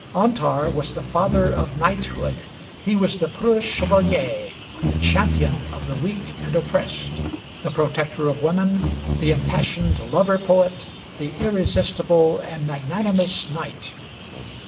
Antar was the father of knighthood. He was the preux chevalier, the champion of the weak and oppressed, the protector of women, the impassioned lover poet, the irresistible and magnanimous knight.